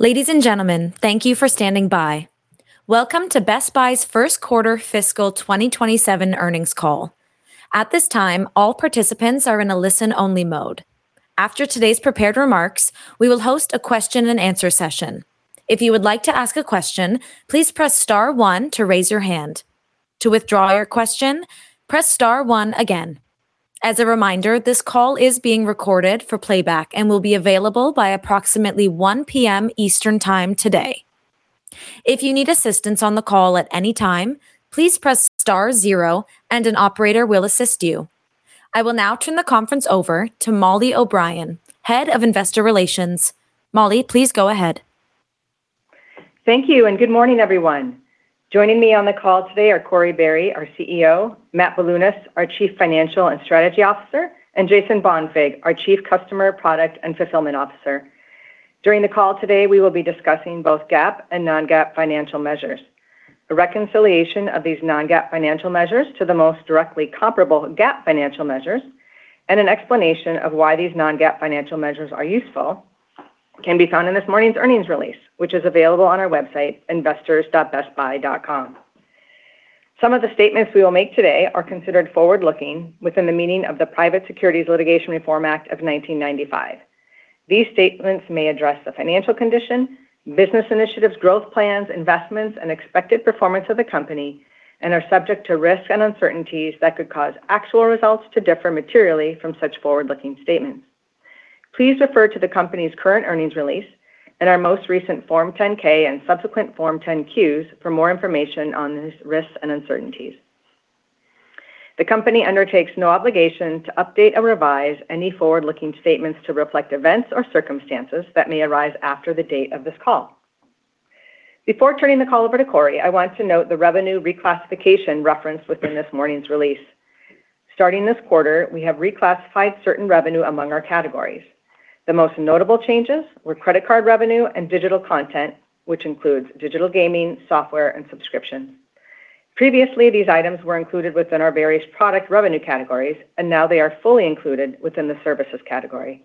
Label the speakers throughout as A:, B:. A: Ladies and gentlemen, thank you for standing by. Welcome to Best Buy's first quarter fiscal 2027 earnings call. At this time, all participants are in a listen-only mode. After today's prepared remarks, we will host a question and answer session. If you would like to ask a question, please press star 1 to raise your hand. To withdraw your question, press star 1 again. As a reminder, this call is being recorded for playback and will be available by approximately 1:00 PM Eastern Time today. If you need assistance on the call at any time, please press star 0 and an operator will assist you. I will now turn the conference over to Mollie O'Brien, Head of Investor Relations. Mollie, please go ahead.
B: Thank you. Good morning, everyone. Joining me on the call today are Corie Barry, our CEO, Matt Bilunas, our Chief Financial and Strategy Officer, and Jason Bonfig, our Chief Customer, Product, and Fulfillment Officer. During the call today, we will be discussing both GAAP and non-GAAP financial measures. A reconciliation of these non-GAAP financial measures to the most directly comparable GAAP financial measures, and an explanation of why these non-GAAP financial measures are useful, can be found in this morning's earnings release, which is available on our website, investors.bestbuy.com. Some of the statements we will make today are considered forward-looking within the meaning of the Private Securities Litigation Reform Act of 1995. These statements may address the financial condition, business initiatives, growth plans, investments, and expected performance of the company, and are subject to risks and uncertainties that could cause actual results to differ materially from such forward-looking statements. Please refer to the company's current earnings release and our most recent Form 10-K and subsequent Form 10-Qs for more information on these risks and uncertainties. The company undertakes no obligation to update or revise any forward-looking statements to reflect events or circumstances that may arise after the date of this call. Before turning the call over to Corie, I want to note the revenue reclassification referenced within this morning's release. Starting this quarter, we have reclassified certain revenue among our categories. The most notable changes were credit card revenue and digital content, which includes digital gaming, software, and subscription. Previously, these items were included within our various product revenue categories, and now they are fully included within the services category.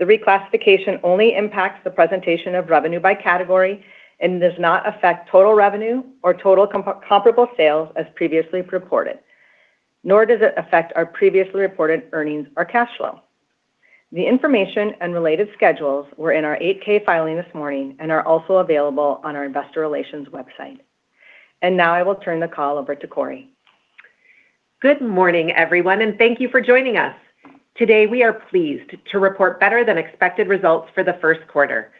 B: The reclassification only impacts the presentation of revenue by category and does not affect total revenue or total comparable sales as previously reported. Nor does it affect our previously reported earnings or cash flow. The information and related schedules were in our 8-K filing this morning and are also available on our investor relations website. Now I will turn the call over to Corie.
C: Good morning, everyone, and thank you for joining us. Today, we are pleased to report better than expected results for the first quarter.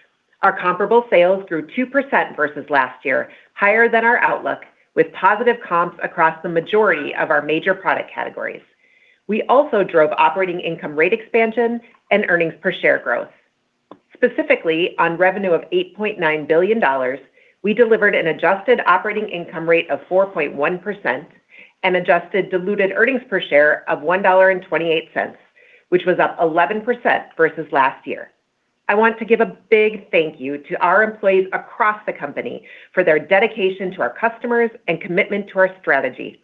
C: Our comparable sales grew 2% versus last year, higher than our outlook, with positive comps across the majority of our major product categories. We also drove operating income rate expansion and earnings per share growth. Specifically, on revenue of $8.9 billion, we delivered an adjusted operating income rate of 4.1% and adjusted diluted earnings per share of $1.28, which was up 11% versus last year. I want to give a big thank you to our employees across the company for their dedication to our customers and commitment to our strategy.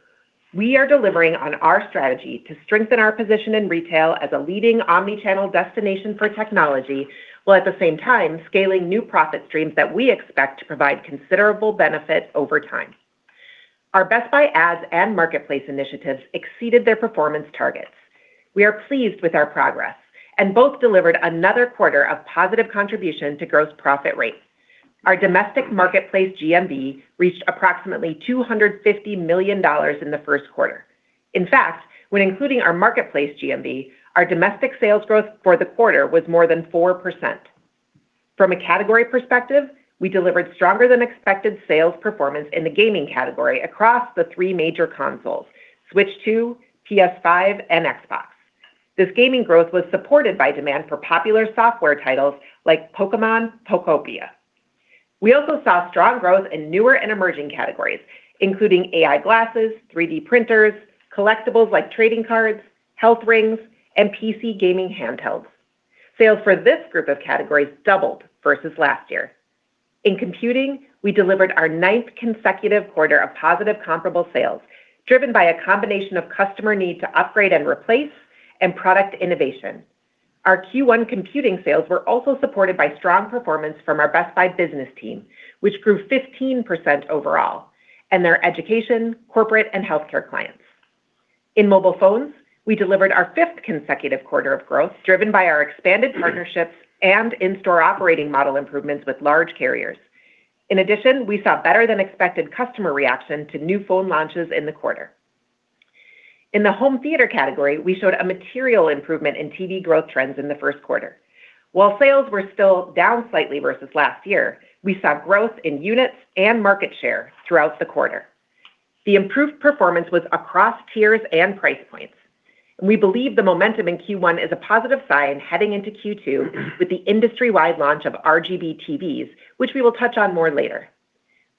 C: We are delivering on our strategy to strengthen our position in retail as a leading omni-channel destination for technology, while at the same time scaling new profit streams that we expect to provide considerable benefit over time. Our Best Buy Ads and Marketplace initiatives exceeded their performance targets. We are pleased with our progress, and both delivered another quarter of positive contribution to gross profit rates. Our domestic Marketplace GMV reached approximately $250 million in the first quarter. In fact, when including our Marketplace GMV, our domestic sales growth for the quarter was more than 4%. From a category perspective, we delivered stronger than expected sales performance in the gaming category across the three major consoles, Switch 2, PS5, and Xbox. This gaming growth was supported by demand for popular software titles like Pokémon Pokopia. We also saw strong growth in newer and emerging categories, including AI glasses, 3D printers, collectibles like trading cards, health rings, and PC gaming handhelds. Sales for this group of categories doubled versus last year. In computing, we delivered our ninth consecutive quarter of positive comparable sales, driven by a combination of customer need to upgrade and replace and product innovation. Our Q1 computing sales were also supported by strong performance from our Best Buy business team, which grew 15% overall, and their education, corporate, and healthcare clients. In mobile phones, we delivered our fifth consecutive quarter of growth, driven by our expanded partnerships and in-store operating model improvements with large carriers. In addition, we saw better than expected customer reaction to new phone launches in the quarter. In the home theater category, we showed a material improvement in TV growth trends in the first quarter. While sales were still down slightly versus last year, we saw growth in units and market share throughout the quarter. The improved performance was across tiers and price points. We believe the momentum in Q1 is a positive sign heading into Q2 with the industry-wide launch of RGB TVs, which we will touch on more later.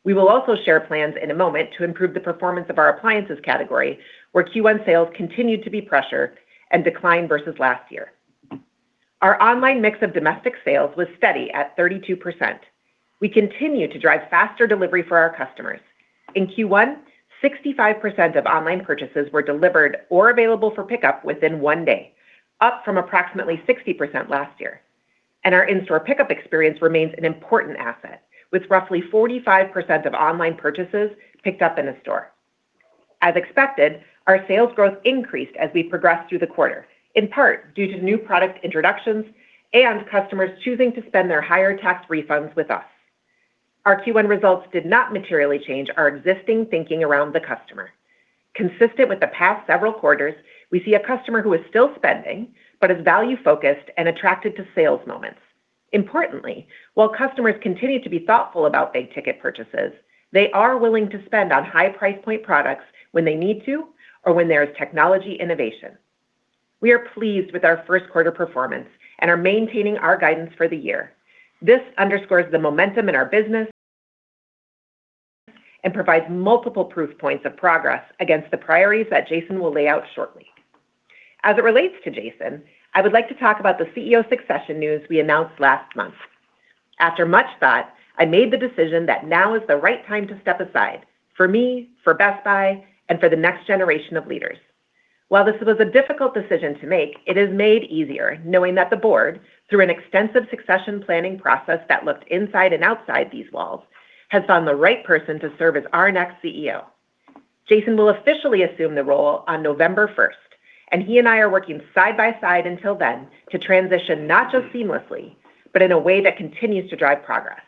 C: We will also share plans in a moment to improve the performance of our appliances category, where Q1 sales continued to be pressured and declined versus last year. Our online mix of domestic sales was steady at 32%. We continue to drive faster delivery for our customers. In Q1, 65% of online purchases were delivered or available for pickup within one day, up from approximately 60% last year. Our in-store pickup experience remains an important asset, with roughly 45% of online purchases picked up in a store. As expected, our sales growth increased as we progressed through the quarter, in part due to new product introductions and customers choosing to spend their higher tax refunds with us. Our Q1 results did not materially change our existing thinking around the customer. Consistent with the past several quarters, we see a customer who is still spending but is value-focused and attracted to sales moments. Importantly, while customers continue to be thoughtful about big-ticket purchases, they are willing to spend on high price point products when they need to or when there is technology innovation. We are pleased with our first quarter performance and are maintaining our guidance for the year. This underscores the momentum in our business and provides multiple proof points of progress against the priorities that Jason will lay out shortly. As it relates to Jason, I would like to talk about the CEO succession news we announced last month. After much thought, I made the decision that now is the right time to step aside for me, for Best Buy, and for the next generation of leaders. While this was a difficult decision to make, it is made easier knowing that the board, through an extensive succession planning process that looked inside and outside these walls, has found the right person to serve as our next CEO. Jason will officially assume the role on November 1st, and he and I are working side by side until then to transition not just seamlessly, but in a way that continues to drive progress.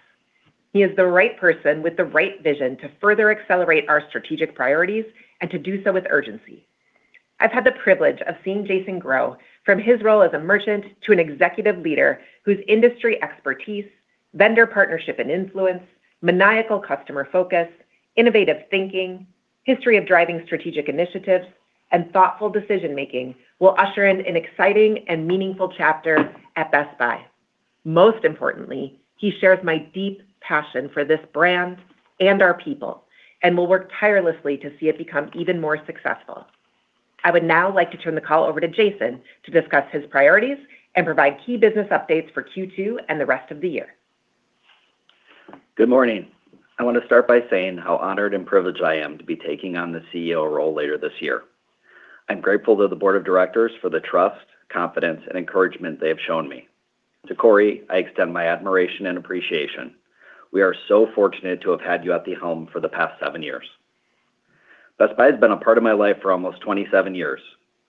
C: He is the right person with the right vision to further accelerate our strategic priorities and to do so with urgency. I've had the privilege of seeing Jason grow from his role as a merchant to an executive leader whose industry expertise, vendor partnership and influence, maniacal customer focus, innovative thinking, history of driving strategic initiatives, and thoughtful decision-making will usher in an exciting and meaningful chapter at Best Buy. Most importantly, he shares my deep passion for this brand and our people and will work tirelessly to see it become even more successful. I would now like to turn the call over to Jason to discuss his priorities and provide key business updates for Q2 and the rest of the year.
D: Good morning. I want to start by saying how honored and privileged I am to be taking on the CEO role later this year. I'm grateful to the board of directors for the trust, confidence, and encouragement they have shown me. To Corie, I extend my admiration and appreciation. We are so fortunate to have had you at the helm for the past seven years. Best Buy has been a part of my life for almost 27 years.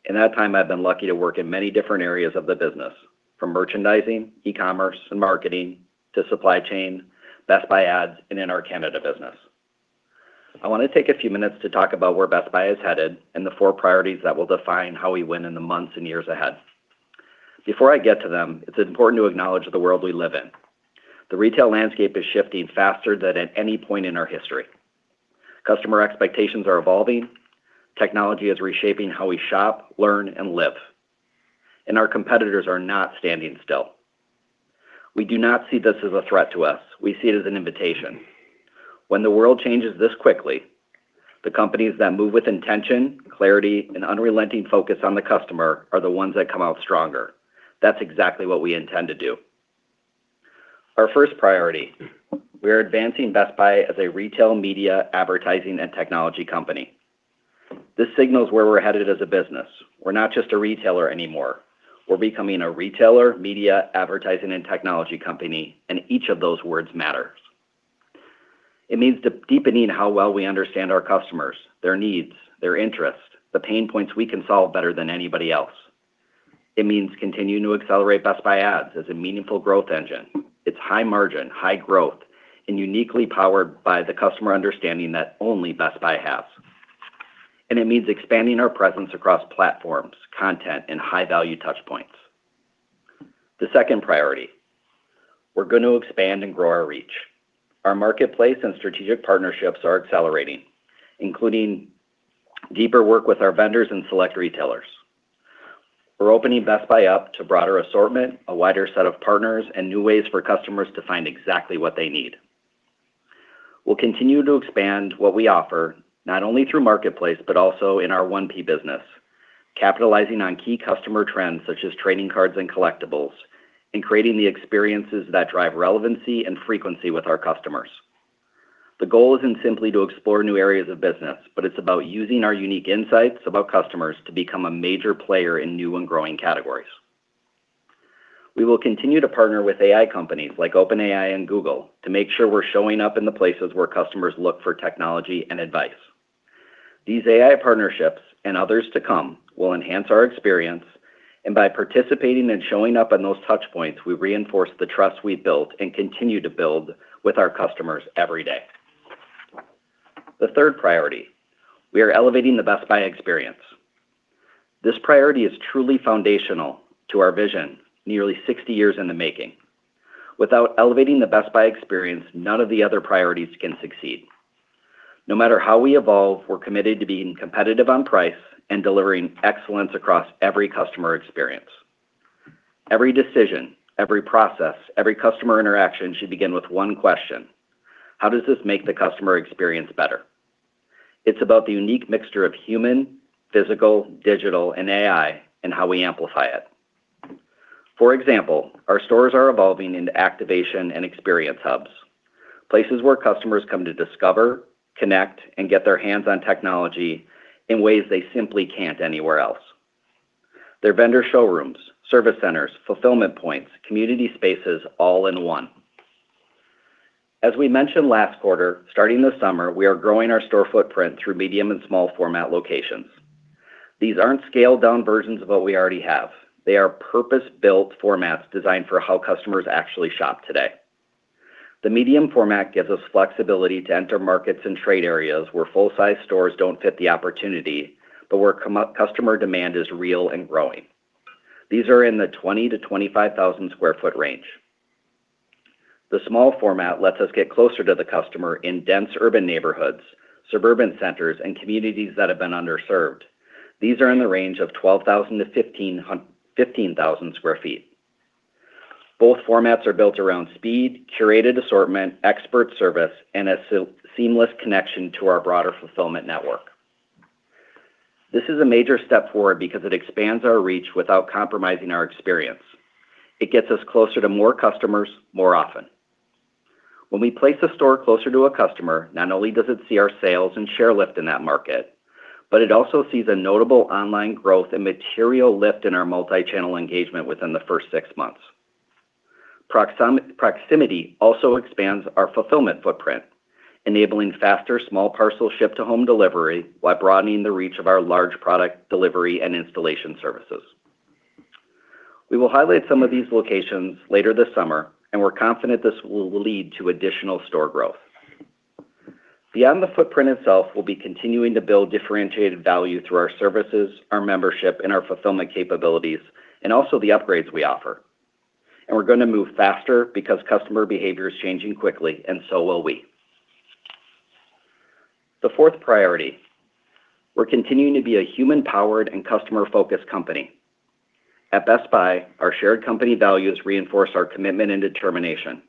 D: In that time, I've been lucky to work in many different areas of the business, from merchandising, e-commerce, and marketing to supply chain, Best Buy Ads, and in our Canada business. I want to take a few minutes to talk about where Best Buy is headed and the four priorities that will define how we win in the months and years ahead. Before I get to them, it's important to acknowledge the world we live in. The retail landscape is shifting faster than at any point in our history. Customer expectations are evolving. Technology is reshaping how we shop, learn, and live. Our competitors are not standing still. We do not see this as a threat to us. We see it as an invitation. When the world changes this quickly, the companies that move with intention, clarity, and unrelenting focus on the customer are the ones that come out stronger. That's exactly what we intend to do. Our first priority, we are advancing Best Buy as a retail, media, advertising, and technology company. This signals where we're headed as a business. We're not just a retailer anymore. We're becoming a retailer, media, advertising, and technology company. Each of those words matters. It means deepening how well we understand our customers, their needs, their interests, the pain points we can solve better than anybody else. It means continuing to accelerate Best Buy Ads as a meaningful growth engine. It's high margin, high growth, and uniquely powered by the customer understanding that only Best Buy has. It means expanding our presence across platforms, content, and high-value touchpoints. The second priority, we're going to expand and grow our reach. Our marketplace and strategic partnerships are accelerating, including deeper work with our vendors and select retailers. We're opening Best Buy up to a broader assortment, a wider set of partners, and new ways for customers to find exactly what they need. We'll continue to expand what we offer, not only through Marketplace but also in our 1P business, capitalizing on key customer trends such as trading cards and collectibles, and creating the experiences that drive relevancy and frequency with our customers. The goal isn't simply to explore new areas of business, but it's about using our unique insights about customers to become a major player in new and growing categories. We will continue to partner with AI companies like OpenAI and Google to make sure we're showing up in the places where customers look for technology and advice. These AI partnerships and others to come will enhance our experience, and by participating and showing up on those touchpoints, we reinforce the trust we've built and continue to build with our customers every day. The third priority, we are elevating the Best Buy experience. This priority is truly foundational to our vision, nearly 60 years in the making. Without elevating the Best Buy experience, none of the other priorities can succeed. No matter how we evolve, we're committed to being competitive on price and delivering excellence across every customer experience. Every decision, every process, every customer interaction should begin with one question: How does this make the customer experience better? It's about the unique mixture of human, physical, digital, and AI, and how we amplify it. For example, our stores are evolving into activation and experience hubs. Places where customers come to discover, connect, and get their hands on technology in ways they simply can't anywhere else. They're vendor showrooms, service centers, fulfillment points, community spaces all in one. As we mentioned last quarter, starting this summer, we are growing our store footprint through medium and small format locations. These aren't scaled down versions of what we already have. They are purpose-built formats designed for how customers actually shop today. The medium format gives us flexibility to enter markets and trade areas where full-sized stores don't fit the opportunity, but where customer demand is real and growing. These are in the 20,000-25,000 sq ft range. The small format lets us get closer to the customer in dense urban neighborhoods, suburban centers, and communities that have been underserved. These are in the range of 12,000-15,000 sq ft. Both formats are built around speed, curated assortment, expert service, and a seamless connection to our broader fulfillment network. This is a major step forward because it expands our reach without compromising our experience. It gets us closer to more customers more often. When we place a store closer to a customer, not only does it see our sales and share lift in that market, but it also sees a notable online growth and material lift in our multi-channel engagement within the first six months. Proximity also expands our fulfillment footprint, enabling faster small parcel ship-to-home delivery while broadening the reach of our large product delivery and installation services. We will highlight some of these locations later this summer, and we're confident this will lead to additional store growth. Beyond the footprint itself, we'll be continuing to build differentiated value through our services, our membership, and our fulfillment capabilities, and also the upgrades we offer. We're going to move faster because customer behavior is changing quickly and so will we. The fourth priority, we're continuing to be a human-powered and customer-focused company. At Best Buy, our shared company values reinforce our commitment and determination.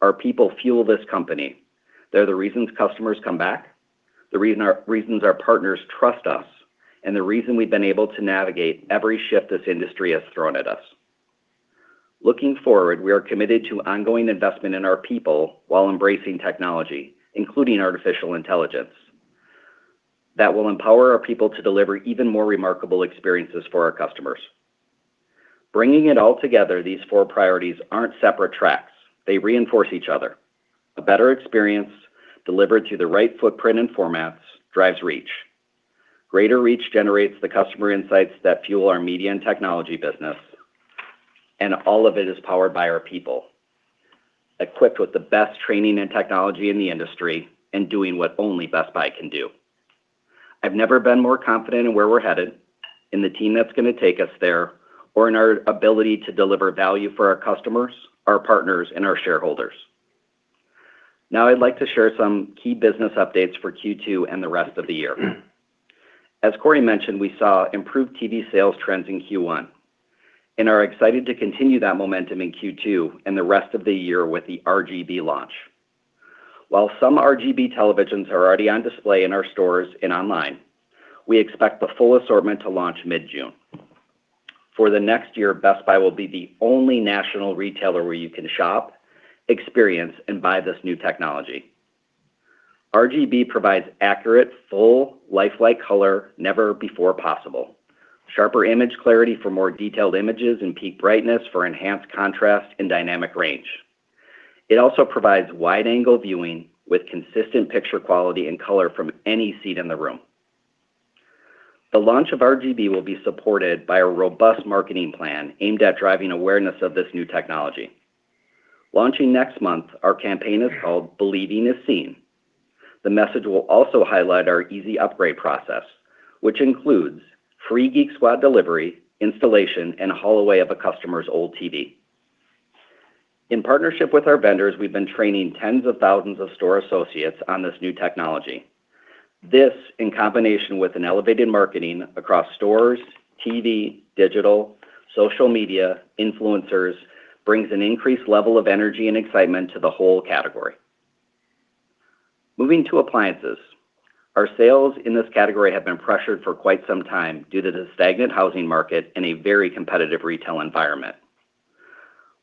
D: Our people fuel this company. They're the reasons customers come back, the reasons our partners trust us, and the reason we've been able to navigate every shift this industry has thrown at us. Looking forward, we are committed to ongoing investment in our people while embracing technology, including artificial intelligence, that will empower our people to deliver even more remarkable experiences for our customers. Bringing it all together, these four priorities aren't separate tracks. They reinforce each other. A better experience delivered through the right footprint and formats drives reach. Greater reach generates the customer insights that fuel our media and technology business, and all of it is powered by our people, equipped with the best training and technology in the industry and doing what only Best Buy can do. I've never been more confident in where we're headed, in the team that's going to take us there, or in our ability to deliver value for our customers, our partners, and our shareholders. I'd like to share some key business updates for Q2 and the rest of the year. As Corie mentioned, we saw improved TV sales trends in Q1 and are excited to continue that momentum in Q2 and the rest of the year with the RGB launch. Some RGB televisions are already on display in our stores and online, we expect the full assortment to launch mid-June. For the next year, Best Buy will be the only national retailer where you can shop, experience, and buy this new technology. RGB provides accurate, full, lifelike color never before possible, sharper image clarity for more detailed images, and peak brightness for enhanced contrast and dynamic range. It also provides wide-angle viewing with consistent picture quality and color from any seat in the room. The launch of RGB will be supported by a robust marketing plan aimed at driving awareness of this new technology. Launching next month, our campaign is called Believing is Seeing. The message will also highlight our easy upgrade process, which includes free Geek Squad delivery, installation, and haul away of a customer's old TV. In partnership with our vendors, we've been training tens of thousands of store associates on this new technology. This, in combination with an elevated marketing across stores, TV, digital, social media, influencers, brings an increased level of energy and excitement to the whole category. Moving to appliances. Our sales in this category have been pressured for quite some time due to the stagnant housing market and a very competitive retail environment.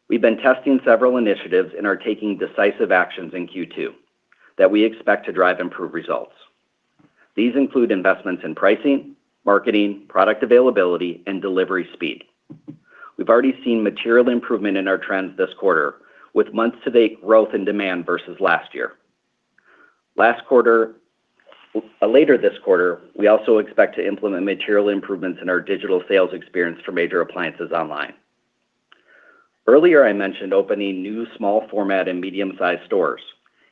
D: We've been testing several initiatives and are taking decisive actions in Q2 that we expect to drive improved results. These include investments in pricing, marketing, product availability, and delivery speed. We've already seen material improvement in our trends this quarter with month-to-date growth and demand versus last year. Later this quarter, we also expect to implement material improvements in our digital sales experience for major appliances online. Earlier, I mentioned opening new small format and medium-sized stores.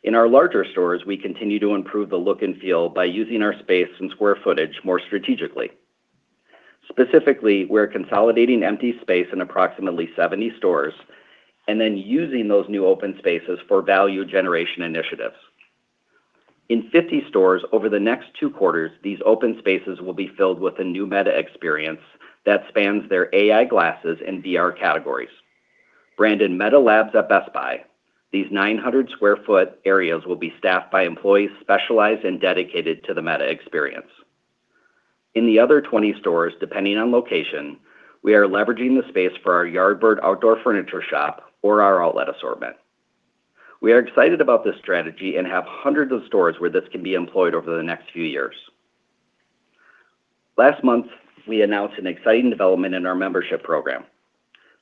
D: In our larger stores, we continue to improve the look and feel by using our space and square footage more strategically. Specifically, we're consolidating empty space in approximately 70 stores and then using those new open spaces for value generation initiatives. In 50 stores over the next two quarters, these open spaces will be filled with a new Meta experience that spans their AI glasses and VR categories. Branded Meta at Best Buy, these 900 square foot areas will be staffed by employees specialized and dedicated to the Meta experience. In the other 20 stores, depending on location, we are leveraging the space for our Yardbird outdoor furniture shop or our outlet assortment. We are excited about this strategy and have hundreds of stores where this can be employed over the next few years. Last month, we announced an exciting development in our membership program.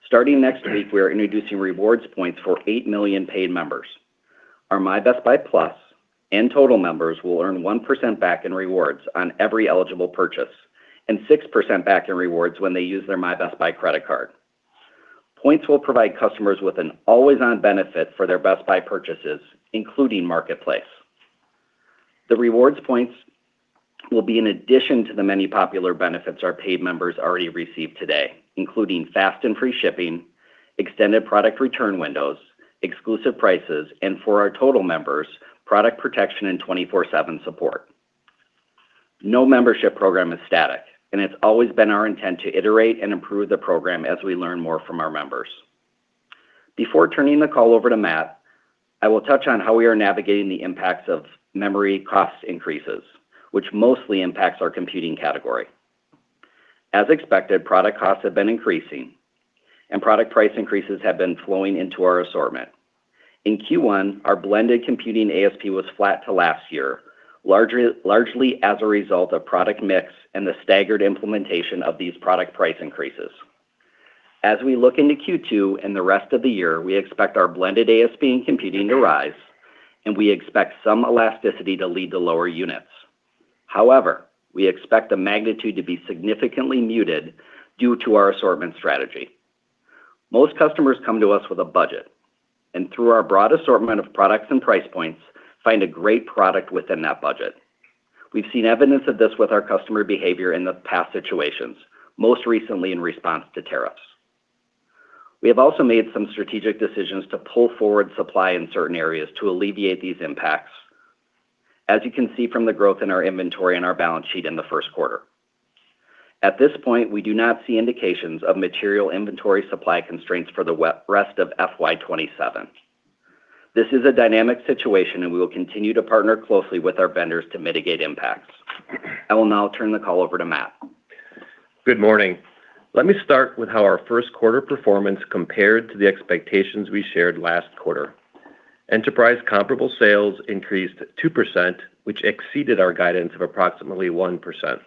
D: Starting next week, we are introducing rewards points for 8 million paid members. Our My Best Buy Plus and My Best Buy Total members will earn 1% back in rewards on every eligible purchase and 6% back in rewards when they use their My Best Buy credit card. Points will provide customers with an always-on benefit for their Best Buy purchases, including Marketplace. The rewards points will be in addition to the many popular benefits our paid members already receive today, including fast and free shipping, extended product return windows, exclusive prices, and for our Total members, product protection and 24/7 support. No membership program is static. It's always been our intent to iterate and improve the program as we learn more from our members. Before turning the call over to Matt, I will touch on how we are navigating the impacts of memory cost increases, which mostly impacts our computing category. As expected, product costs have been increasing. Product price increases have been flowing into our assortment. In Q1, our blended computing ASP was flat to last year, largely as a result of product mix and the staggered implementation of these product price increases. As we look into Q2 and the rest of the year, we expect our blended ASP in computing to rise, and we expect some elasticity to lead to lower units. However, we expect the magnitude to be significantly muted due to our assortment strategy. Most customers come to us with a budget, and through our broad assortment of products and price points, find a great product within that budget. We've seen evidence of this with our customer behavior in the past situations, most recently in response to tariffs. We have also made some strategic decisions to pull forward supply in certain areas to alleviate these impacts, as you can see from the growth in our inventory and our balance sheet in the first quarter. At this point, we do not see indications of material inventory supply constraints for the rest of FY27. This is a dynamic situation. We will continue to partner closely with our vendors to mitigate impacts. I will now turn the call over to Matt.
E: Good morning. Let me start with how our first quarter performance compared to the expectations we shared last quarter. Enterprise comparable sales increased 2%, which exceeded our guidance of approximately 1%.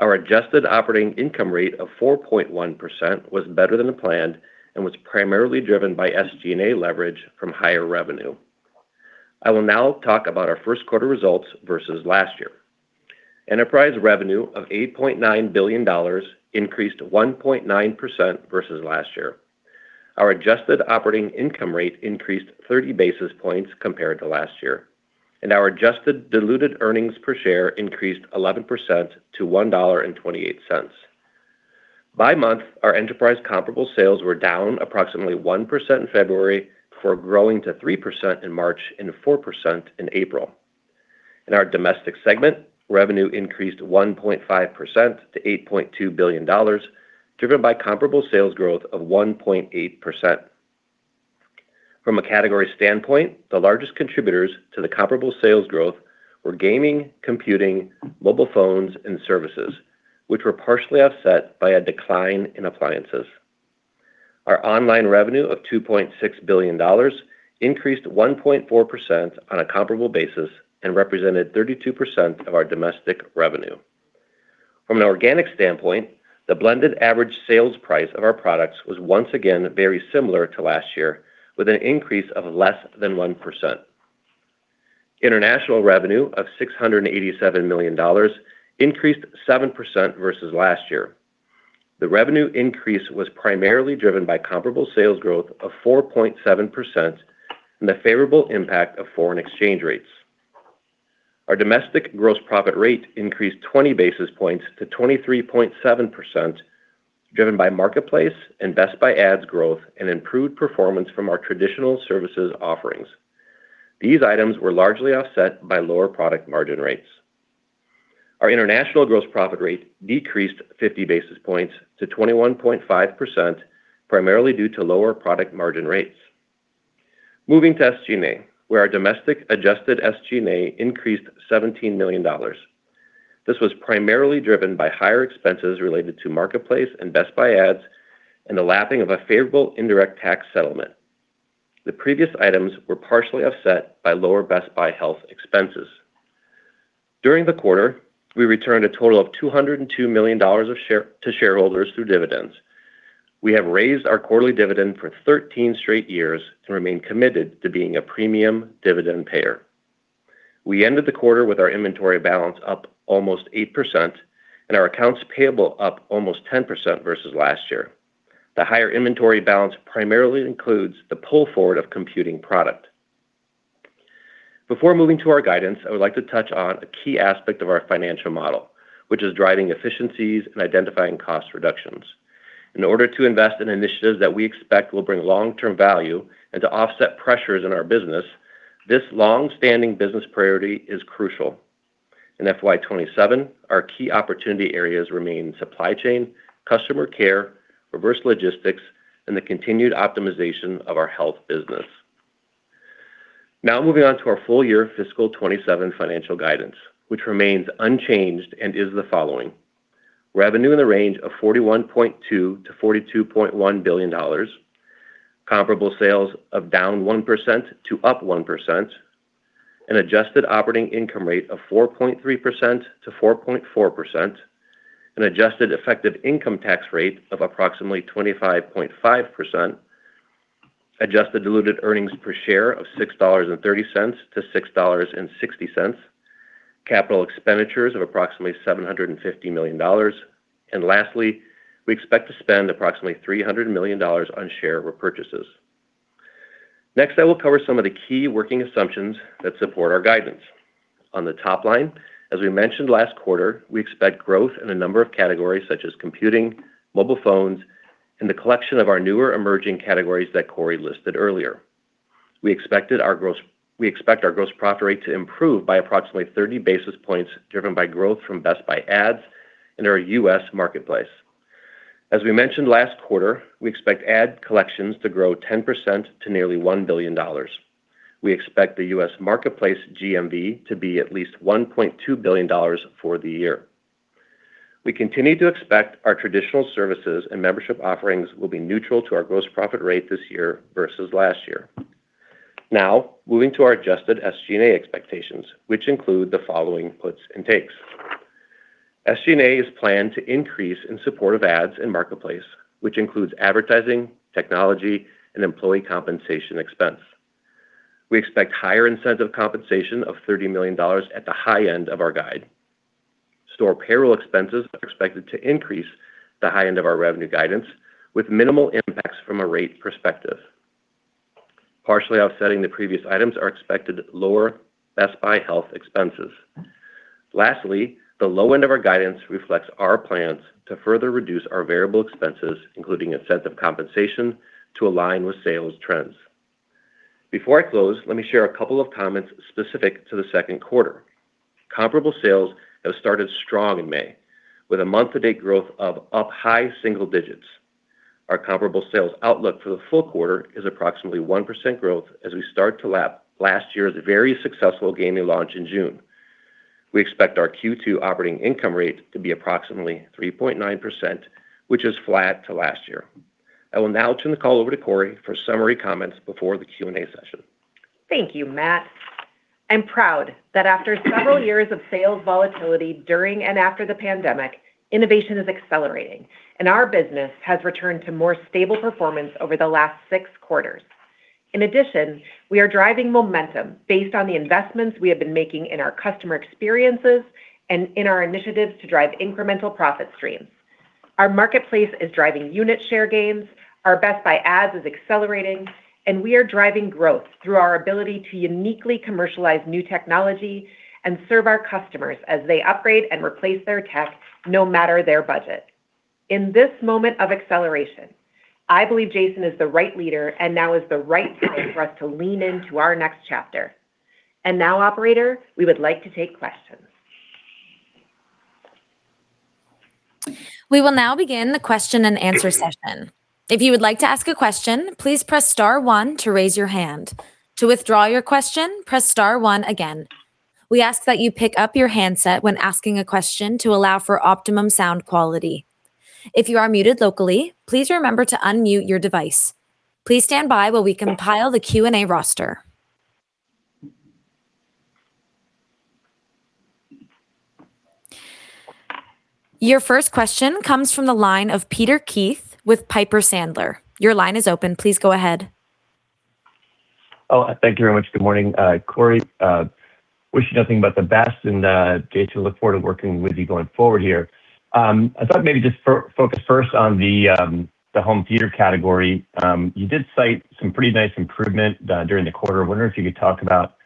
E: Our adjusted operating income rate of 4.1% was better than planned and was primarily driven by SG&A leverage from higher revenue. I will now talk about our first quarter results versus last year. Enterprise revenue of $8.9 billion increased 1.9% versus last year. Our adjusted operating income rate increased 30 basis points compared to last year, and our adjusted diluted earnings per share increased 11% to $1.28. By month, our enterprise comparable sales were down approximately 1% in February, before growing to 3% in March and 4% in April. In our domestic segment, revenue increased 1.5% to $8.2 billion, driven by comparable sales growth of 1.8%. From a category standpoint, the largest contributors to the comparable sales growth were gaming, computing, mobile phones, and services, which were partially offset by a decline in appliances. Our online revenue of $2.6 billion increased 1.4% on a comparable basis and represented 32% of our domestic revenue. From an organic standpoint, the blended average sales price of our products was once again very similar to last year, with an increase of less than 1%. International revenue of $687 million increased 7% versus last year. The revenue increase was primarily driven by comparable sales growth of 4.7% and the favorable impact of foreign exchange rates. Our domestic gross profit rate increased 20 basis points to 23.7%, driven by Marketplace and Best Buy Ads growth and improved performance from our traditional services offerings. These items were largely offset by lower product margin rates. Our international gross profit rate decreased 50 basis points to 21.5%, primarily due to lower product margin rates. Moving to SG&A, where our domestic adjusted SG&A increased $17 million. This was primarily driven by higher expenses related to Marketplace and Best Buy Ads and the lapping of a favorable indirect tax settlement. The previous items were partially offset by lower Best Buy Health expenses. During the quarter, we returned a total of $202 million to shareholders through dividends. We have raised our quarterly dividend for 13 straight years and remain committed to being a premium dividend payer. We ended the quarter with our inventory balance up almost 8% and our accounts payable up almost 10% versus last year. The higher inventory balance primarily includes the pull forward of computing product. Before moving to our guidance, I would like to touch on a key aspect of our financial model, which is driving efficiencies and identifying cost reductions. In order to invest in initiatives that we expect will bring long-term value and to offset pressures in our business, this longstanding business priority is crucial. In FY 2027, our key opportunity areas remain supply chain, customer care, reverse logistics, and the continued optimization of our Health business. Now moving on to our full year fiscal 2027 financial guidance, which remains unchanged and is the following. Revenue in the range of $41.2 billion-$42.1 billion. Comparable sales of down 1% to up 1%. An adjusted operating income rate of 4.3%-4.4%. An adjusted effective income tax rate of approximately 25.5%. Adjusted diluted earnings per share of $6.30-$6.60. Capital expenditures of approximately $750 million. Lastly, we expect to spend approximately $300 million on share repurchases. Next, I will cover some of the key working assumptions that support our guidance. On the top line, as we mentioned last quarter, we expect growth in a number of categories such as computing, mobile phones, and the collection of our newer emerging categories that Corie listed earlier. We expect our gross profit rate to improve by approximately 30 basis points, driven by growth from Best Buy Ads in our U.S. Marketplace. As we mentioned last quarter, we expect ad collections to grow 10% to nearly $1 billion. We expect the U.S. Marketplace GMV to be at least $1.2 billion for the year. We continue to expect our traditional services and membership offerings will be neutral to our gross profit rate this year versus last year. Now, moving to our adjusted SG&A expectations, which include the following puts and takes. SG&A is planned to increase in support of ads and marketplace, which includes advertising, technology, and employee compensation expense. We expect higher incentive compensation of $30 million at the high end of our guide. Store payroll expenses are expected to increase the high end of our revenue guidance with minimal impacts from a rate perspective. Partially offsetting the previous items are expected lower Best Buy Health expenses. Lastly, the low end of our guidance reflects our plans to further reduce our variable expenses, including incentive compensation to align with sales trends. Before I close, let me share a couple of comments specific to the second quarter. Comparable sales have started strong in May, with a month-to-date growth of up high single digits. Our comparable sales outlook for the full quarter is approximately 1% growth as we start to lap last year's very successful gaming launch in June. We expect our Q2 operating income rate to be approximately 3.9%, which is flat to last year. I will now turn the call over to Corie for summary comments before the Q&A session.
C: Thank you, Matt. I'm proud that after several years of sales volatility during and after the pandemic, innovation is accelerating, and our business has returned to more stable performance over the last six quarters. In addition, we are driving momentum based on the investments we have been making in our customer experiences and in our initiatives to drive incremental profit streams. Our marketplace is driving unit share gains, our Best Buy Ads is accelerating, and we are driving growth through our ability to uniquely commercialize new technology and serve our customers as they upgrade and replace their tech, no matter their budget. In this moment of acceleration, I believe Jason is the right leader, and now is the right time for us to lean into our next chapter. Now, operator, we would like to take questions.
A: We will now begin the question and answer session. If you would like to ask a question, please press star one to raise your hand. To withdraw your question, press star one again. We ask that you pick up your handset when asking a question to allow for optimum sound quality. If you are muted locally, please remember to unmute your device. Please stand by while we compile the Q&A roster. Your first question comes from the line of Peter Keith with Piper Sandler. Your line is open. Please go ahead.
F: Oh, thank you very much. Good morning. Corie, wish you nothing but the best, and Jason, look forward to working with you going forward here. I thought maybe just focus first on the home theater category. You did cite some pretty nice improvement during the quarter. I wonder if you could talk about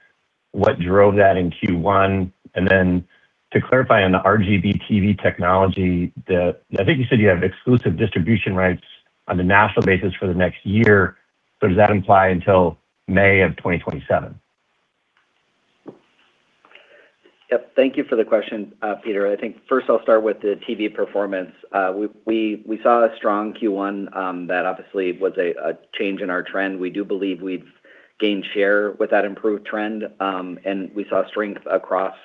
F: what drove that in Q1, and then to clarify on the RGB TV technology that I think you said you have exclusive distribution rights on a national basis for the next year. Does that imply until May of 2027?
D: Yep, thank you for the question, Peter. I think first I'll start with the TV performance. We saw a strong Q1 that obviously was a change in our trend. We do believe we've gained share with that improved trend. We saw strength across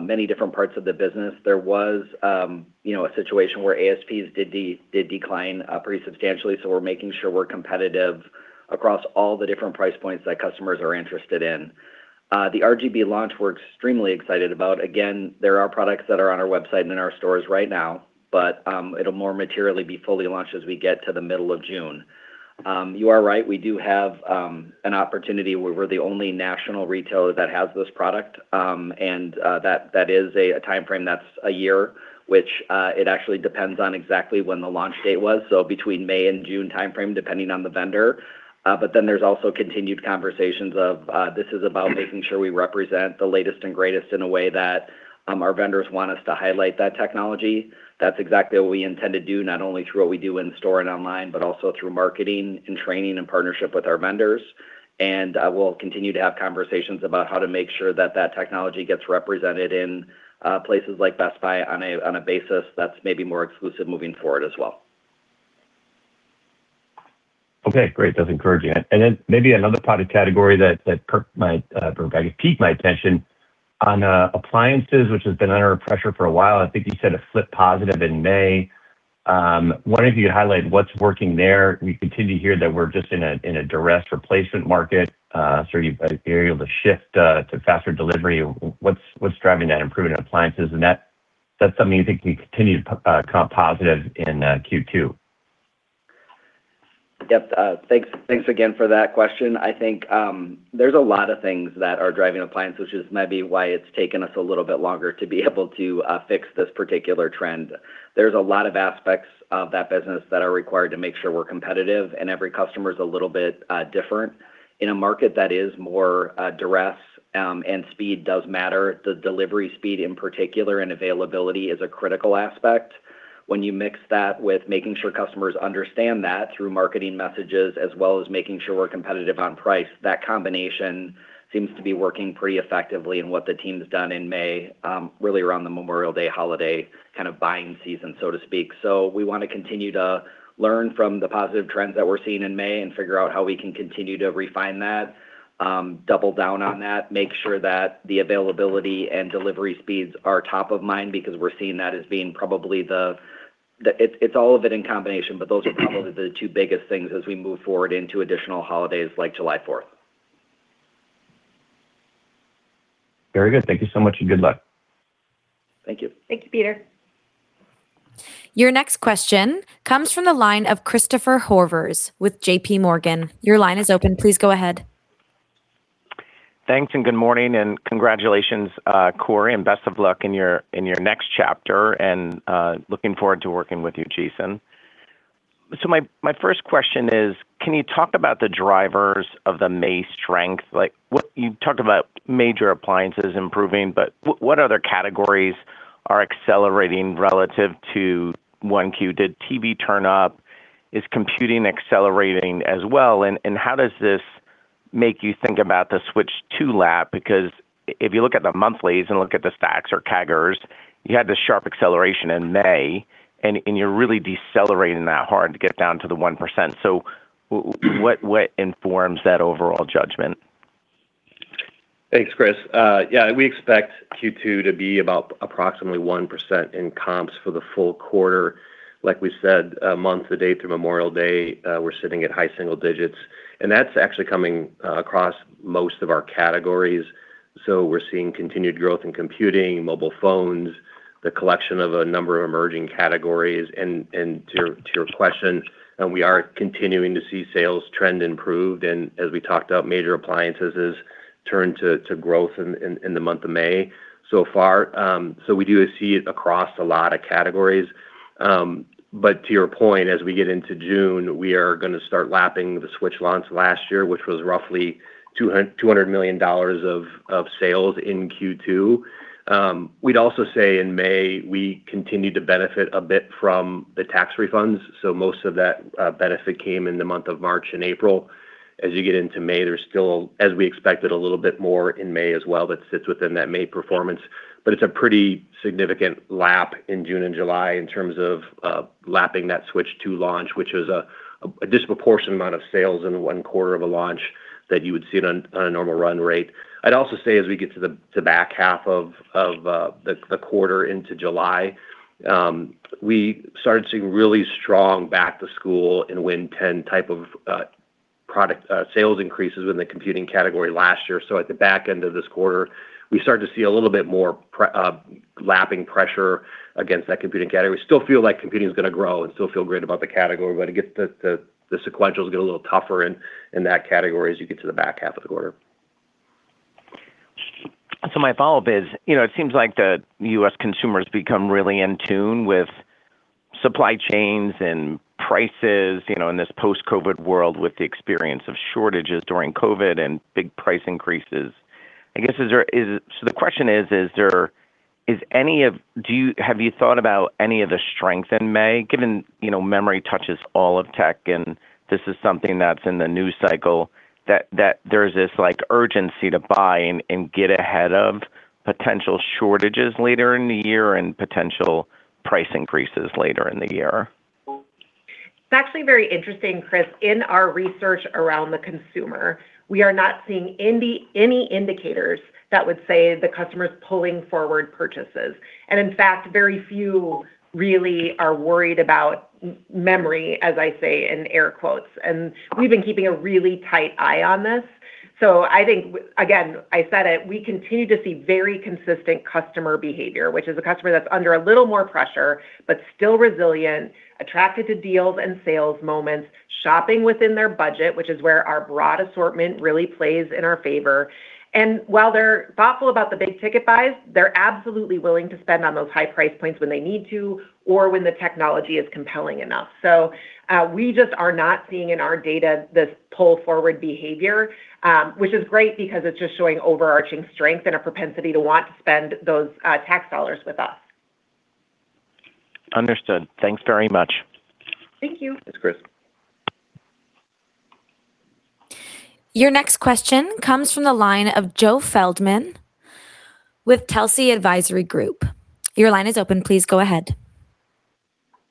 D: many different parts of the business. There was a situation where ASPs did decline pretty substantially. We're making sure we're competitive across all the different price points that customers are interested in. The RGB launch, we're extremely excited about. There are products that are on our website and in our stores right now, but it'll more materially be fully launched as we get to the middle of June. You are right, we do have an opportunity where we're the only national retailer that has this product. That is a timeframe that's a year, which it actually depends on exactly when the launch date was. Between May and June timeframe, depending on the vendor. There's also continued conversations of this is about making sure we represent the latest and greatest in a way that our vendors want us to highlight that technology. That's exactly what we intend to do, not only through what we do in store and online, but also through marketing and training and partnership with our vendors. We'll continue to have conversations about how to make sure that that technology gets represented in places like Best Buy on a basis that's maybe more exclusive moving forward as well.
F: Okay, great. That's encouraging. Maybe another product category that piqued my attention on appliances, which has been under pressure for a while. I think you said a flip positive in May. Wondering if you could highlight what's working there. We continue to hear that we're just in a duress replacement market. You've been able to shift to faster delivery. What's driving that improvement in appliances? That's something you think can continue to comp positive in Q2?
D: Yep. Thanks again for that question. I think there's a lot of things that are driving appliance, which is maybe why it's taken us a little bit longer to be able to fix this particular trend. There's a lot of aspects of that business that are required to make sure we're competitive, and every customer is a little bit different. In a market that is more duress and speed does matter, the delivery speed in particular and availability is a critical aspect. When you mix that with making sure customers understand that through marketing messages, as well as making sure we're competitive on price, that combination seems to be working pretty effectively in what the team's done in May, really around the Memorial Day holiday kind of buying season, so to speak. We want to continue to learn from the positive trends that we're seeing in May and figure out how we can continue to refine that, double down on that, make sure that the availability and delivery speeds are top of mind because we're seeing that as being probably it's all of it in combination, but those are probably the two biggest things as we move forward into additional holidays like July 4th.
F: Very good. Thank you so much and good luck.
D: Thank you.
C: Thank you, Peter.
A: Your next question comes from the line of Christopher Horvers with JPMorgan. Your line is open. Please go ahead.
G: Thanks and good morning, and congratulations, Corie, and best of luck in your next chapter, and looking forward to working with you, Jason. My first question is, can you talk about the drivers of the May strength? You talked about major appliances improving, but what other categories are accelerating relative to 1Q? Did TV turn up? Is computing accelerating as well? How does this make you think about the Switch 2 lap? Because if you look at the monthlies and look at the stacks or CAGRs, you had this sharp acceleration in May, and you're really decelerating that hard to get down to the 1%. What informs that overall judgment?
E: Thanks, Chris. Yeah, we expect Q2 to be approximately 1% in comps for the full quarter. Like we said, month to date through Memorial Day, we're sitting at high single digits. That's actually coming across most of our categories. We're seeing continued growth in computing, mobile phones, the collection of a number of emerging categories. To your question, we are continuing to see sales trend improved. As we talked about, major appliances has turned to growth in the month of May so far. We do see it across a lot of categories. To your point, as we get into June, we are going to start lapping the Switch launch last year, which was roughly $200 million of sales in Q2. We'd also say in May, we continued to benefit a bit from the tax refunds. Most of that benefit came in the month of March and April. As you get into May, there's still, as we expected, a little bit more in May as well that sits within that May performance. It's a pretty significant lap in June and July in terms of lapping that Switch 2 launch, which is a disproportionate amount of sales in one quarter of a launch that you would see on a normal run rate. I'd also say as we get to the back half of the quarter into July, we started seeing really strong back-to-school and Win 10 type of product sales increases within the computing category last year. At the back end of this quarter, we started to see a little bit more lapping pressure against that computing category. We still feel like computing is going to grow and still feel great about the category, but the sequentials get a little tougher in that category as you get to the back half of the quarter.
G: My follow-up is, it seems like the U.S. consumer has become really in tune with supply chains and prices, in this post-COVID world with the experience of shortages during COVID and big price increases. The question is, have you thought about any of the strength in May, given memory touches all of tech and this is something that's in the news cycle, that there's this urgency to buy and get ahead of potential shortages later in the year and potential price increases later in the year?
C: It's actually very interesting, Chris. In our research around the consumer, we are not seeing any indicators that would say the customer's pulling forward purchases. In fact, very few really are worried about memory, as I say in air quotes. We've been keeping a really tight eye on this. I think, again, I said it, we continue to see very consistent customer behavior, which is a customer that's under a little more pressure, but still resilient, attracted to deals and sales moments, shopping within their budget, which is where our broad assortment really plays in our favor. While they're thoughtful about the big ticket buys, they're absolutely willing to spend on those high price points when they need to or when the technology is compelling enough. We just are not seeing in our data this pull forward behavior, which is great because it's just showing overarching strength and a propensity to want to spend those tax dollars with us.
G: Understood. Thanks very much.
C: Thank you.
D: Thanks, Chris.
A: Your next question comes from the line of Joe Feldman with Telsey Advisory Group. Your line is open. Please go ahead.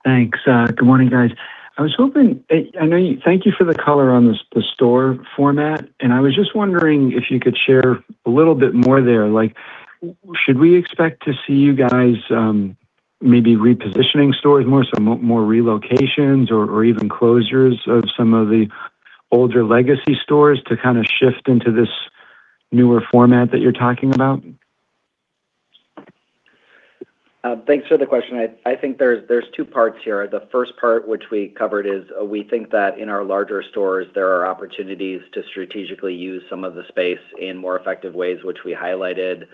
H: Thanks. Good morning, guys. Thank you for the color on the store format, and I was just wondering if you could share a little bit more there. Should we expect to see you guys maybe repositioning stores more, so more relocations or even closures of some of the older legacy stores to kind of shift into this newer format that you're talking about?
D: Thanks for the question. I think there's two parts here. The first part, which we covered, is we think that in our larger stores, there are opportunities to strategically use some of the space in more effective ways, which we highlighted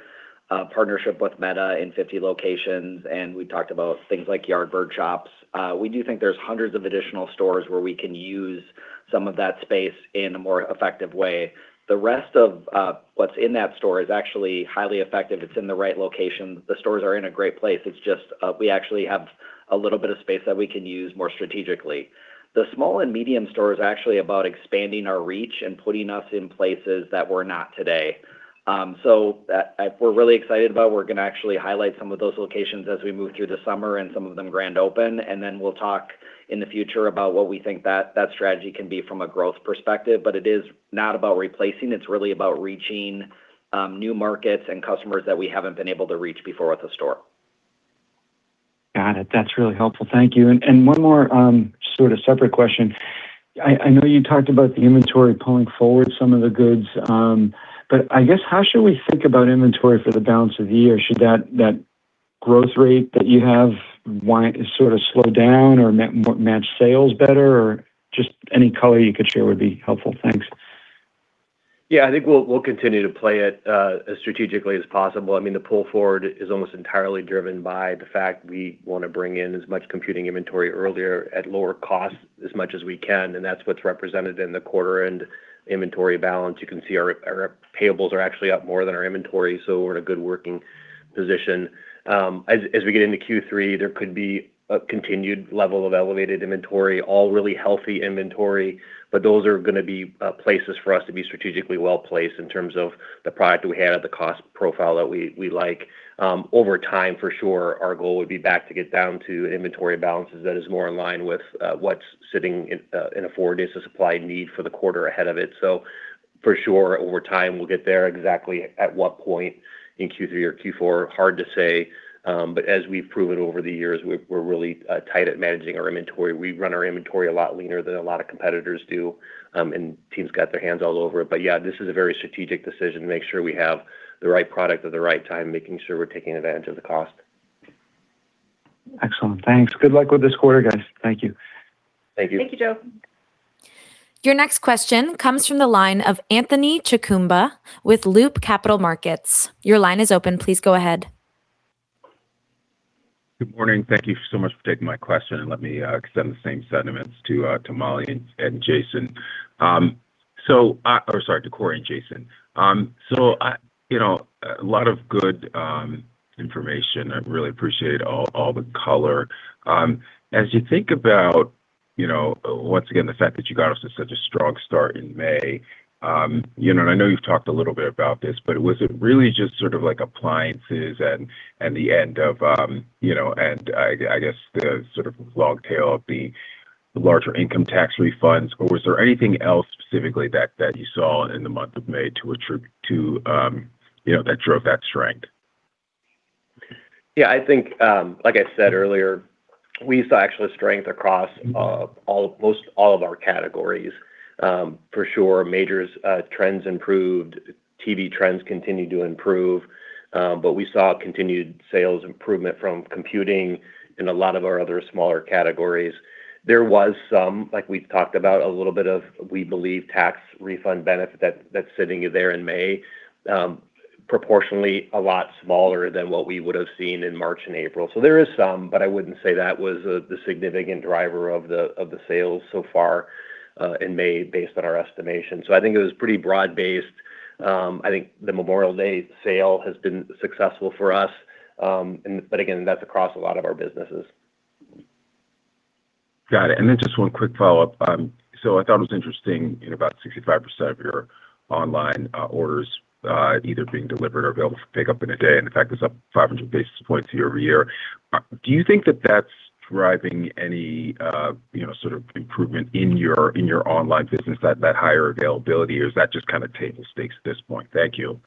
D: a partnership with Meta in 50 locations, and we talked about things like Yardbird shops. We do think there's hundreds of additional stores where we can use some of that space in a more effective way. The rest of what's in that store is actually highly effective. It's in the right location. The stores are in a great place. It's just we actually have a little bit of space that we can use more strategically. The small and medium store is actually about expanding our reach and putting us in places that we're not today. We're really excited about. We're going to actually highlight some of those locations as we move through the summer and some of them grand open, and then we'll talk in the future about what we think that strategy can be from a growth perspective. It is not about replacing. It's really about reaching new markets and customers that we haven't been able to reach before with a store.
H: Got it. That's really helpful. Thank you. One more sort of separate question. I know you talked about the inventory pulling forward some of the goods. I guess, how should we think about inventory for the balance of the year? Should that growth rate that you have want to sort of slow down or match sales better? Just any color you could share would be helpful. Thanks.
E: Yeah, I think we'll continue to play it as strategically as possible. The pull forward is almost entirely driven by the fact we want to bring in as much computing inventory earlier at lower cost as much as we can, and that's what's represented in the quarter and inventory balance. You can see our payables are actually up more than our inventory, so we're in a good working position. As we get into Q3, there could be a continued level of elevated inventory, all really healthy inventory, but those are going to be places for us to be strategically well-placed in terms of the product we have, the cost profile that we like. Over time, for sure, our goal would be back to get down to inventory balances that is more in line with what's sitting in a four days of supply need for the quarter ahead of it. For sure, over time, we'll get there. Exactly at what point in Q3 or Q4, hard to say. As we've proven over the years, we're really tight at managing our inventory. We run our inventory a lot leaner than a lot of competitors do. Teams got their hands all over it. Yeah, this is a very strategic decision to make sure we have the right product at the right time, making sure we're taking advantage of the cost.
H: Excellent. Thanks. Good luck with this quarter, guys. Thank you.
D: Thank you.
C: Thank you, Joe.
A: Your next question comes from the line of Anthony Chukumba with Loop Capital Markets. Your line is open. Please go ahead.
I: Good morning. Thank you so much for taking my question, let me extend the same sentiments to Mollie and Jason. Sorry, to Corie and Jason. A lot of good information. I really appreciate all the color. As you think about, once again, the fact that you got off to such a strong start in May. I know you've talked a little bit about this, but was it really just sort of like appliances and the end of, I guess, the sort of long tail of the larger income tax refunds, or was there anything else specifically that you saw in the month of May that drove that strength?
E: Yeah, I think, like I said earlier, we saw actually strength across most all of our categories. For sure, majors trends improved, TV trends continued to improve. We saw continued sales improvement from computing in a lot of our other smaller categories. There was some, like we've talked about a little bit of, we believe, tax refund benefit that's sitting there in May. Proportionally a lot smaller than what we would have seen in March and April. There is some, but I wouldn't say that was the significant driver of the sales so far in May based on our estimation. I think it was pretty broad-based. I think the Memorial Day sale has been successful for us. Again, that's across a lot of our businesses.
I: Got it. Just one quick follow-up. I thought it was interesting in about 65% of your online orders either being delivered or available for pickup in a day, and in fact, it's up 500 basis points year-over-year. Do you think that that's driving any sort of improvement in your online business, that higher availability, or is that just kind of table stakes at this point? Thank you.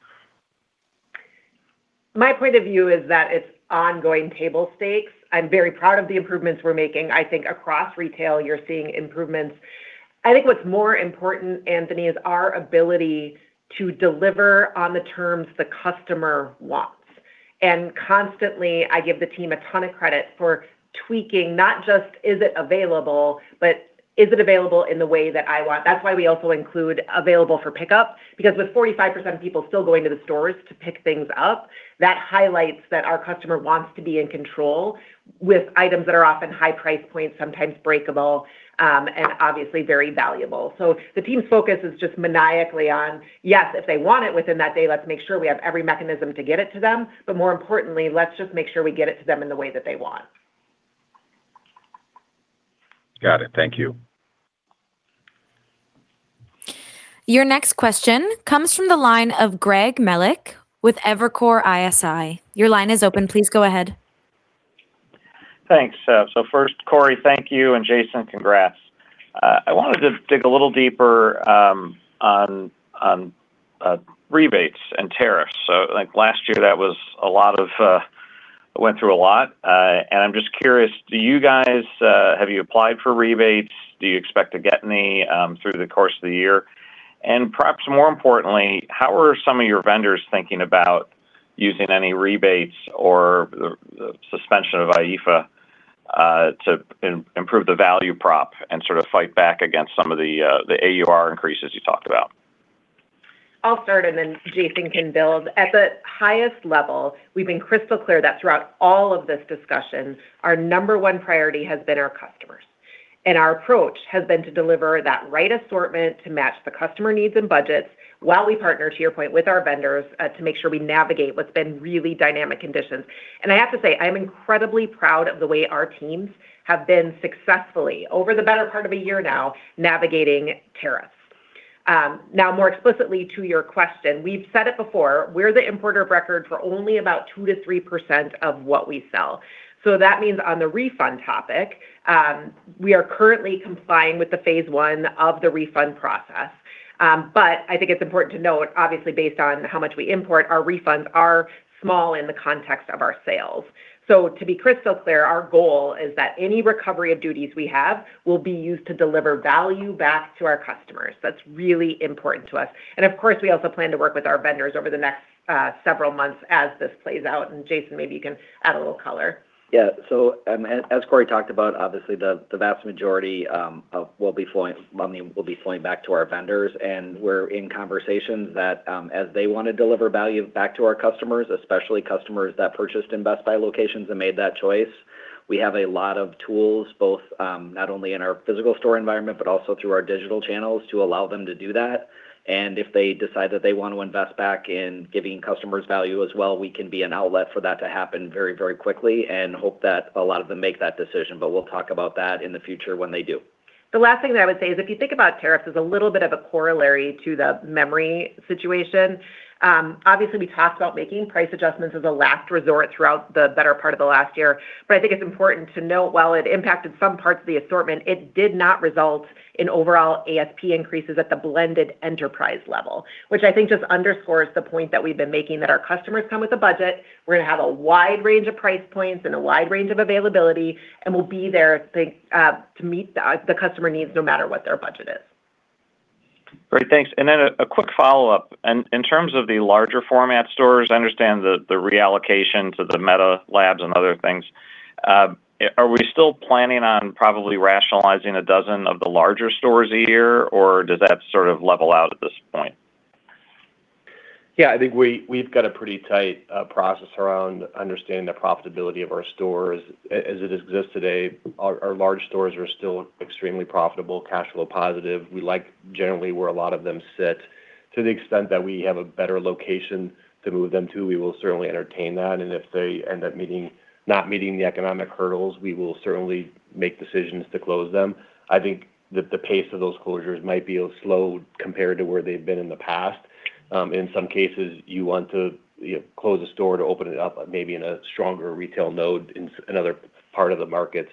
C: My point of view is that it's ongoing table stakes. I'm very proud of the improvements we're making. I think across retail, you're seeing improvements. I think what's more important, Anthony, is our ability to deliver on the terms the customer wants. Constantly, I give the team a ton of credit for tweaking, not just is it available, but is it available in the way that I want? That's why we also include available for pickup, because with 45% of people still going to the stores to pick things up, that highlights that our customer wants to be in control with items that are often high price points, sometimes breakable, and obviously very valuable. The team's focus is just maniacally on, yes, if they want it within that day, let's make sure we have every mechanism to get it to them, but more importantly, let's just make sure we get it to them in the way that they want.
I: Got it. Thank you.
A: Your next question comes from the line of Greg Melich with Evercore ISI. Your line is open. Please go ahead.
J: Thanks. First, Corie, thank you, and Jason, congrats. I wanted to dig a little deeper on rebates and tariffs. Last year, that went through a lot. I'm just curious, do you guys, have you applied for rebates? Do you expect to get any through the course of the year? Perhaps more importantly, how are some of your vendors thinking about using any rebates or the suspension of IIFA to improve the value prop and sort of fight back against some of the AUR increases you talked about?
C: I'll start, then Jason can build. At the highest level, we've been crystal clear that throughout all of this discussion, our number one priority has been our customers. Our approach has been to deliver that right assortment to match the customer needs and budgets while we partner, to your point, with our vendors to make sure we navigate what's been really dynamic conditions. I have to say, I'm incredibly proud of the way our teams have been successfully, over the better part of a year now, navigating tariffs. Now, more explicitly to your question, we've said it before, we're the importer of record for only about 2%-3% of what we sell. That means on the refund topic, we are currently complying with the phase one of the refund process. I think it's important to note, obviously, based on how much we import, our refunds are small in the context of our sales. To be crystal clear, our goal is that any recovery of duties we have will be used to deliver value back to our customers. That's really important to us. Of course, we also plan to work with our vendors over the next several months as this plays out. Jason, maybe you can add a little color.
D: Yeah. As Corie talked about, obviously, the vast majority will be flowing back to our vendors, and we're in conversations that as they want to deliver value back to our customers, especially customers that purchased in Best Buy locations and made that choice, we have a lot of tools, both not only in our physical store environment, but also through our digital channels to allow them to do that. If they decide that they want to invest back in giving customers value as well, we can be an outlet for that to happen very quickly and hope that a lot of them make that decision. We'll talk about that in the future when they do.
C: The last thing that I would say is if you think about tariffs as a little bit of a corollary to the memory situation, obviously, we talked about making price adjustments as a last resort throughout the better part of the last year, but I think it's important to note while it impacted some parts of the assortment, it did not result in overall ASP increases at the blended enterprise level, which I think just underscores the point that we've been making that our customers come with a budget. We're going to have a wide range of price points and a wide range of availability, and we'll be there to meet the customer needs no matter what their budget is.
J: Great. Thanks. A quick follow-up. In terms of the larger format stores, I understand the reallocation to the Meta labs and other things. Are we still planning on probably rationalizing a dozen of the larger stores a year, or does that sort of level out at this point?
E: Yeah, I think we've got a pretty tight process around understanding the profitability of our stores. As it exists today, our large stores are still extremely profitable, cash flow positive. We like generally where a lot of them sit. To the extent that we have a better location to move them to, we will certainly entertain that. If they end up not meeting the economic hurdles, we will certainly make decisions to close them. I think that the pace of those closures might be slow compared to where they've been in the past. In some cases, you want to close a store to open it up maybe in a stronger retail node in another part of the market.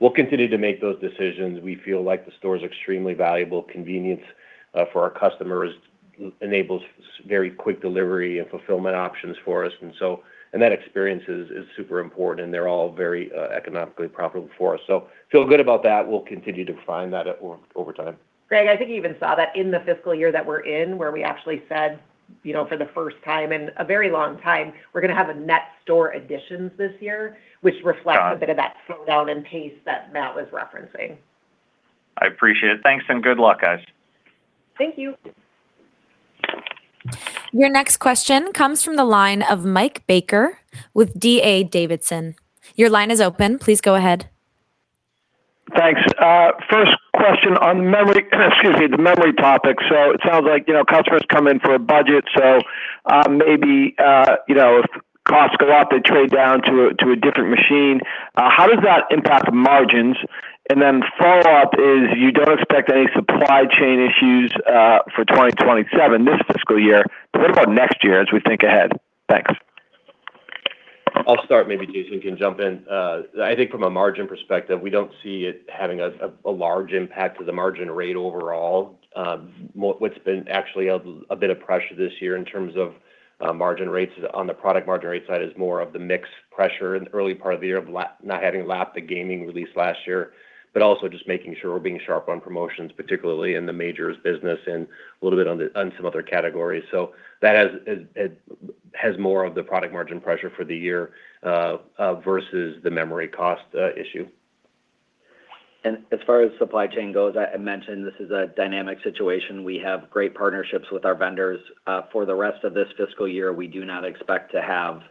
E: We'll continue to make those decisions. We feel like the store is extremely valuable. Convenience for our customers enables very quick delivery and fulfillment options for us. That experience is super important, and they're all very economically profitable for us. Feel good about that. We'll continue to refine that over time.
C: Greg, I think you even saw that in the fiscal year that we're in, where we actually said, for the first time in a very long time, we're going to have a net store additions this year, which reflects a bit of that slowdown in pace that Matt was referencing.
J: I appreciate it. Thanks and good luck, guys.
C: Thank you.
A: Your next question comes from the line of Michael Baker with D.A. Davidson.
K: Thanks. First question on the memory topic. It sounds like customers come in for a budget. Maybe if costs go up, they trade down to a different machine. How does that impact margins? Follow-up is, you don't expect any supply chain issues for 2027 this fiscal year, but what about next year as we think ahead? Thanks.
E: I'll start, maybe Jason can jump in. I think from a margin perspective, we don't see it having a large impact to the margin rate overall. What's been actually a bit of pressure this year in terms of margin rates on the product margin rate side is more of the mix pressure in the early part of the year of not having lapped the gaming release last year, but also just making sure we're being sharp on promotions, particularly in the majors business and a little bit on some other categories. That has more of the product margin pressure for the year versus the memory cost issue.
D: As far as supply chain goes, I mentioned this is a dynamic situation. We have great partnerships with our vendors. For the rest of this fiscal year, we do not expect to have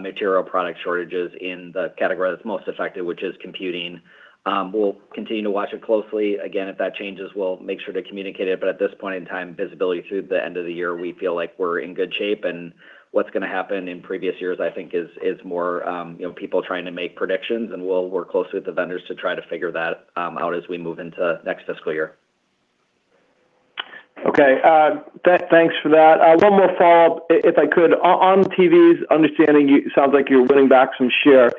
D: material product shortages in the category that's most affected, which is computing. We'll continue to watch it closely. Again, if that changes, we'll make sure to communicate it. At this point in time, visibility through the end of the year, we feel like we're in good shape. What's going to happen in future years, I think, is more people trying to make predictions, and we'll work closely with the vendors to try to figure that out as we move into next fiscal year.
K: Okay. Thanks for that. One more follow-up, if I could. On TVs, understanding it sounds like you're winning back some share,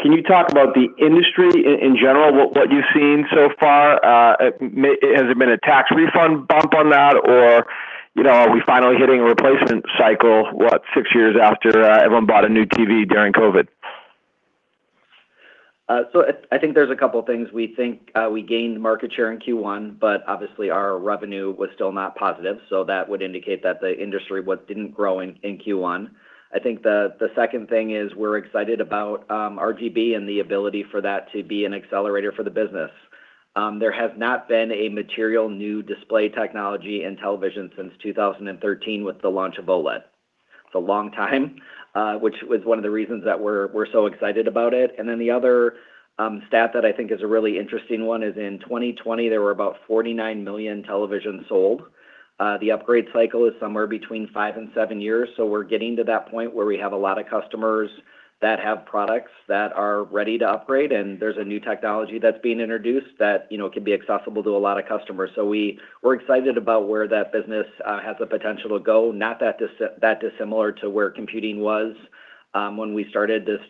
K: can you talk about the industry in general, what you've seen so far? Has there been a tax refund bump on that? Or are we finally hitting a replacement cycle, what, six years after everyone bought a new TV during COVID?
D: I think there's a couple things. We think we gained market share in Q1, but obviously, our revenue was still not positive, so that would indicate that the industry didn't grow in Q1. I think the second thing is we're excited about RGB and the ability for that to be an accelerator for the business. There has not been a material new display technology in television since 2013 with the launch of OLED. It's a long time, which was one of the reasons that we're so excited about it. The other stat that I think is a really interesting one is in 2020, there were about 49 million televisions sold. The upgrade cycle is somewhere between five and seven years. We're getting to that point where we have a lot of customers that have products that are ready to upgrade, and there's a new technology that's being introduced that can be accessible to a lot of customers. We're excited about where that business has the potential to go. Not that dissimilar to where computing was when we started this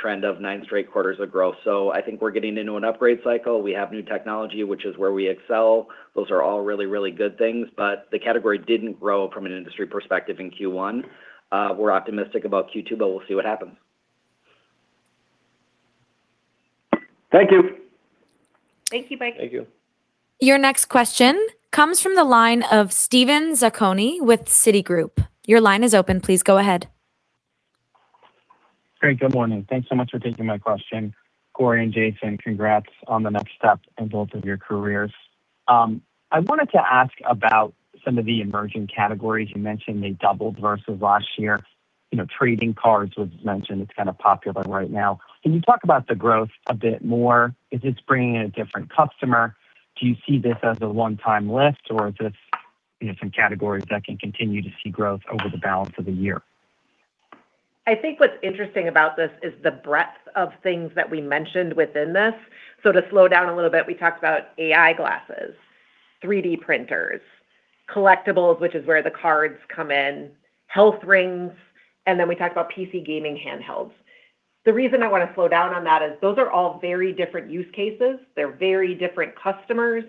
D: trend of nine straight quarters of growth. I think we're getting into an upgrade cycle. We have new technology, which is where we excel. Those are all really good things, but the category didn't grow from an industry perspective in Q1. We're optimistic about Q2, but we'll see what happens.
K: Thank you.
C: Thank you, Mike.
D: Thank you.
A: Your next question comes from the line of Steven Zaccone with Citigroup. Your line is open. Please go ahead.
L: Great. Good morning. Thanks so much for taking my question. Corie and Jason, congrats on the next step in both of your careers. I wanted to ask about some of the emerging categories. You mentioned they doubled versus last year. Trading cards was mentioned. It's kind of popular right now. Can you talk about the growth a bit more? Is this bringing in a different customer? Do you see this as a one-time lift, or is this some categories that can continue to see growth over the balance of the year?
C: I think what's interesting about this is the breadth of things that we mentioned within this. To slow down a little bit, we talked about AI glasses, 3D printers, collectibles, which is where the cards come in, health rings, and then we talked about PC gaming handhelds. The reason I want to slow down on that is those are all very different use cases. They're very different customers.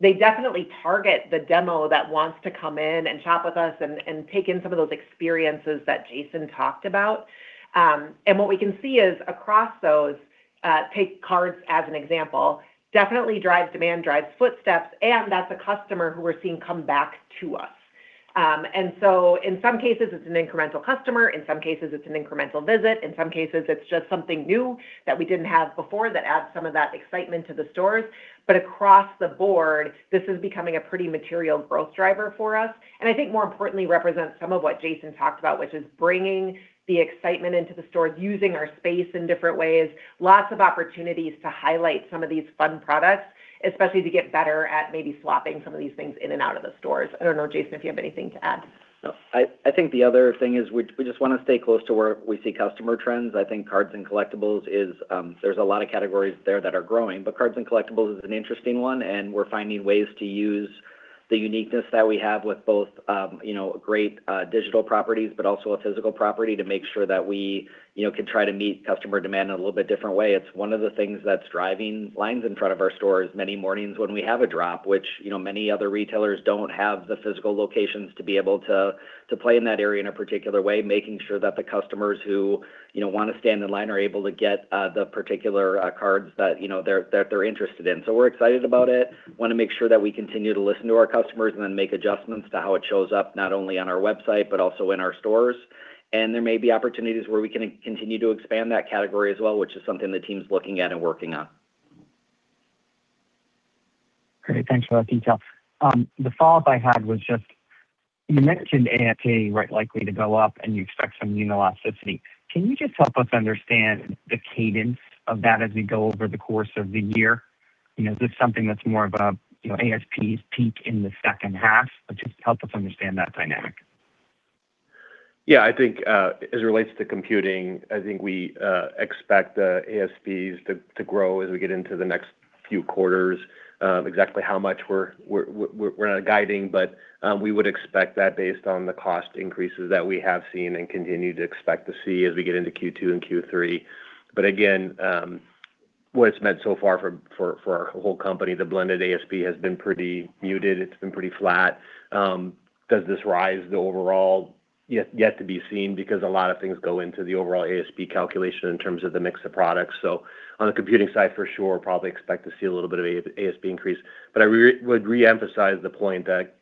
C: They definitely target the demo that wants to come in and shop with us and take in some of those experiences that Jason talked about. What we can see is across those, take cards as an example, definitely drives demand, drives footsteps, and that's a customer who we're seeing come back to us. In some cases, it's an incremental customer. In some cases, it's an incremental visit. In some cases, it's just something new that we didn't have before that adds some of that excitement to the stores. Across the board, this is becoming a pretty material growth driver for us, and I think more importantly, represents some of what Jason talked about, which is bringing the excitement into the stores, using our space in different ways, lots of opportunities to highlight some of these fun products, especially to get better at maybe swapping some of these things in and out of the stores. I don't know, Jason, if you have anything to add.
D: No. I think the other thing is we just want to stay close to where we see customer trends. I think cards and collectibles is, there's a lot of categories there that are growing, but cards and collectibles is an interesting one, and we're finding ways to use the uniqueness that we have with both great digital properties, but also a physical property to make sure that we can try to meet customer demand in a little bit different way. It's one of the things that's driving lines in front of our stores many mornings when we have a drop, which many other retailers don't have the physical locations to be able to play in that area in a particular way, making sure that the customers who want to stand in line are able to get the particular cards that they're interested in. We're excited about it. want to make sure that we continue to listen to our customers and then make adjustments to how it shows up, not only on our website, but also in our stores. There may be opportunities where we can continue to expand that category as well, which is something the team's looking at and working on.
L: Great. Thanks for that detail. The follow-up I had was just, you mentioned ASP likely to go up and you expect some elasticity. Can you just help us understand the cadence of that as we go over the course of the year? Is this something that's more of a ASPs peak in the second half? Just help us understand that dynamic.
E: I think, as it relates to computing, I think we expect the ASPs to grow as we get into the next few quarters. Exactly how much we're not guiding, but we would expect that based on the cost increases that we have seen and continue to expect to see as we get into Q2 and Q3. Again, what it's meant so far for our whole company, the blended ASP has been pretty muted. It's been pretty flat. Does this rise the overall? Yet to be seen because a lot of things go into the overall ASP calculation in terms of the mix of products. On the computing side, for sure, probably expect to see a little bit of ASP increase. I would reemphasize the point that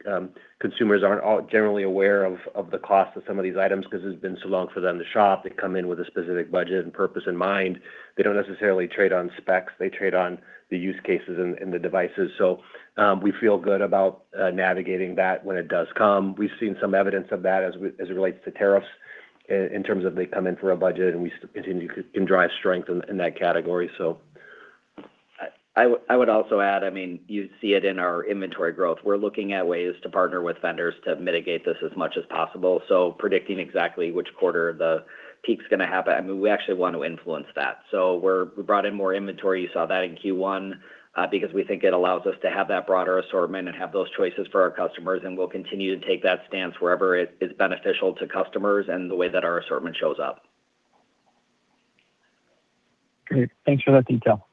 E: consumers aren't all generally aware of the cost of some of these items because it's been so long for them to shop. They come in with a specific budget and purpose in mind. They don't necessarily trade on specs. They trade on the use cases and the devices. We feel good about navigating that when it does come. We've seen some evidence of that as it relates to tariffs in terms of they come in for a budget and we continue to drive strength in that category. I would also add, you see it in our inventory growth. We're looking at ways to partner with vendors to mitigate this as much as possible. Predicting exactly which quarter the peak's going to happen, we actually want to influence that. We brought in more inventory, you saw that in Q1, because we think it allows us to have that broader assortment and have those choices for our customers, and we'll continue to take that stance wherever it is beneficial to customers and the way that our assortment shows up.
L: Great. Thanks for that detail.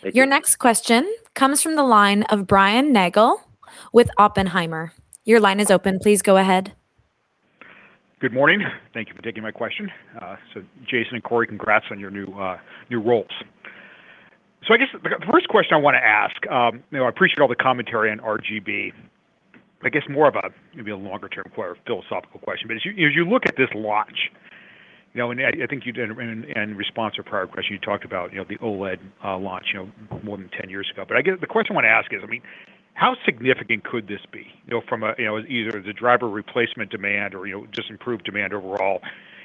D: Thank you.
A: Your next question comes from the line of Brian Nagel with Oppenheimer. Your line is open. Please go ahead.
M: Good morning. Thank you for taking my question. Jason and Corie, congrats on your new roles. I guess the first question I want to ask, I appreciate all the commentary on RGB. I guess more of a maybe a longer term, philosophical question. As you look at this launch, and I think you did in response to a prior question, you talked about the OLED launch more than 10 years ago. The question I want to ask is, how significant could this be? From either the driver replacement demand or just improved demand overall.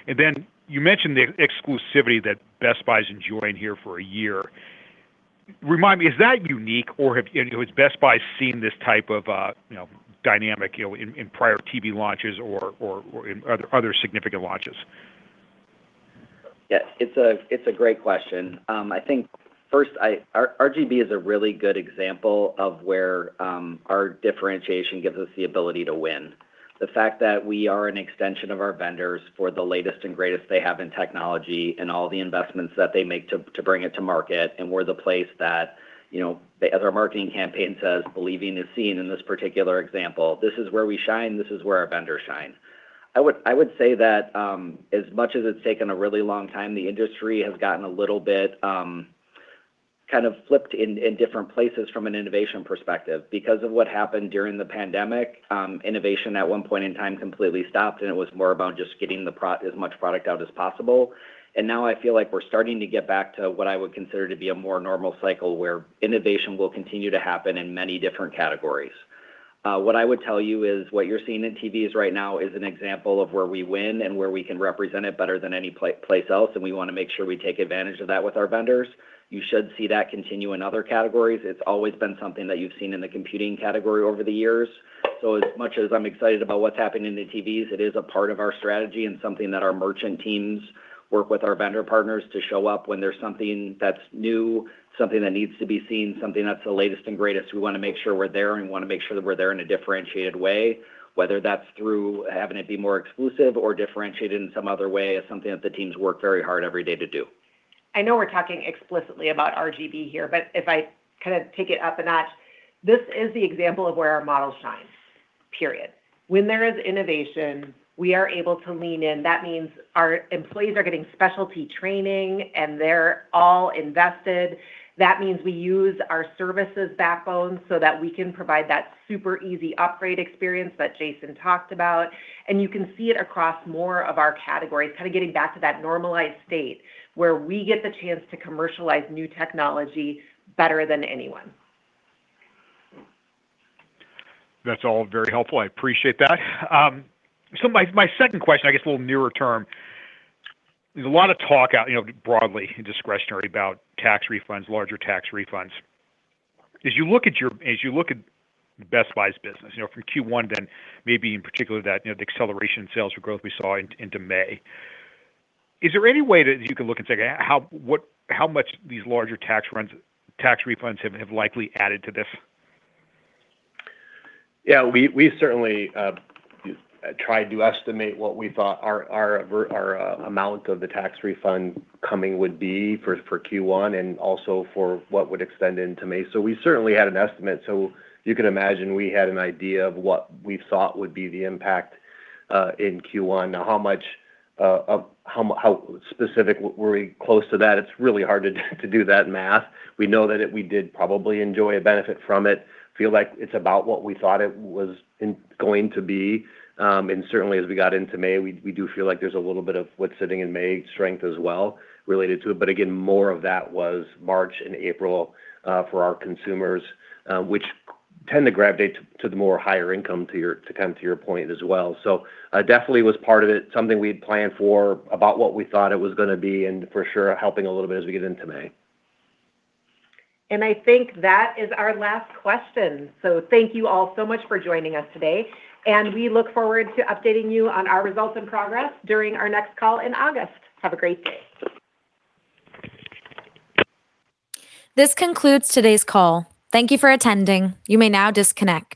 M: Then you mentioned the exclusivity that Best Buy's enjoying here for a year. Remind me, is that unique, or has Best Buy seen this type of dynamic in prior TV launches or in other significant launches?
D: Yes, it's a great question. I think first, RGB is a really good example of where our differentiation gives us the ability to win. The fact that we are an extension of our vendors for the latest and greatest they have in technology and all the investments that they make to bring it to market, and we're the place that, as our marketing campaign says, Believing is Seeing in this particular example. This is where we shine, this is where our vendors shine. I would say that, as much as it's taken a really long time, the industry has gotten a little bit kind of flipped in different places from an innovation perspective. Because of what happened during the pandemic, innovation at one point in time completely stopped, and it was more about just getting as much product out as possible. Now I feel like we're starting to get back to what I would consider to be a more normal cycle, where innovation will continue to happen in many different categories. What I would tell you is what you're seeing in TVs right now is an example of where we win and where we can represent it better than any place else, and we want to make sure we take advantage of that with our vendors. You should see that continue in other categories. It's always been something that you've seen in the computing category over the years. As much as I'm excited about what's happening in the TVs, it is a part of our strategy and something that our merchant teams work with our vendor partners to show up when there's something that's new, something that needs to be seen, something that's the latest and greatest. We want to make sure we're there, and we want to make sure that we're there in a differentiated way, whether that's through having it be more exclusive or differentiated in some other way. It's something that the teams work very hard every day to do.
C: I know we're talking explicitly about RGB here, if I kind of take it up a notch, this is the example of where our model shines, period. When there is innovation, we are able to lean in. That means our employees are getting specialty training, and they're all invested. That means we use our services backbone so that we can provide that super easy upgrade experience that Jason talked about. You can see it across more of our categories, kind of getting back to that normalized state where we get the chance to commercialize new technology better than anyone.
M: That's all very helpful. I appreciate that. My second question, I guess a little nearer term. There's a lot of talk out, broadly in discretionary about tax refunds, larger tax refunds. As you look at Best Buy's business, from Q1 then maybe in particular that the acceleration in sales for growth we saw into May. Is there any way that you can look and say how much these larger tax refunds have likely added to this?
E: We certainly tried to estimate what we thought our amount of the tax refund coming would be for Q1 and also for what would extend into May. We certainly had an estimate. You can imagine we had an idea of what we thought would be the impact, in Q1. How specific were we close to that? It's really hard to do that math. We know that we did probably enjoy a benefit from it, feel like it's about what we thought it was going to be. Certainly as we got into May, we do feel like there's a little bit of what's sitting in May strength as well related to it. Again, more of that was March and April, for our consumers, which tend to gravitate to the more higher income to kind of to your point as well. Definitely was part of it, something we had planned for, about what we thought it was going to be, and for sure helping a little bit as we get into May.
C: I think that is our last question. Thank you all so much for joining us today, and we look forward to updating you on our results and progress during our next call in August. Have a great day.
A: This concludes today's call. Thank you for attending. You may now disconnect.